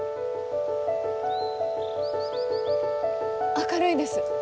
明るいです。